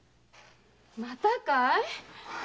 またかい⁉